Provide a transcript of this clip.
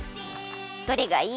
どれがいい？